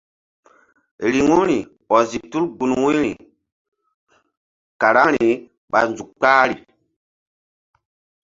Riŋu ri ɔzi tul gun wu̧yri karaŋri ɓa nzuk kpahri.